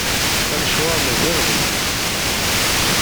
Amecwar mazal ɣezzif.